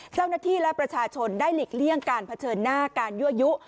เจ้าหน้าที่และประชาชนได้หลีกเลี่ยงการเผชิญหน้าการยั่วยุ